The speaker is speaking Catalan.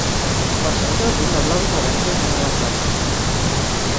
Per Sant Jordi na Blau i na Berta iran a la platja.